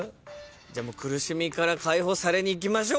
じゃあ苦しみから解放されにいきましょうか。